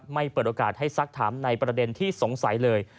เปิดโอกาสให้สักถามในประเด็นที่สงสัยเลย